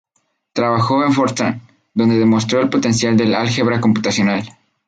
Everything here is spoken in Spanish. Trabajó en Fortran, donde demostró el potencial del álgebra computacional.